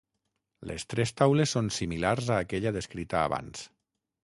Les tres taules són similars a aquella descrita abans.